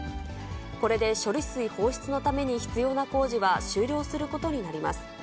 これで処理水放出のために必要な工事は終了することになります。